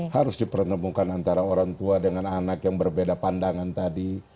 harus dipertemukan antara orang tua dengan anak yang berbeda pandangan tadi